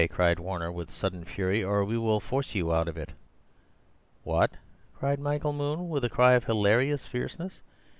cried Warner with sudden fury, "or we will force you out of it." "What!" cried Michael Moon, with a cry of hilarious fierceness.